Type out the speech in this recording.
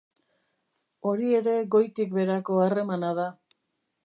Hori ere goitik beherako harremana da.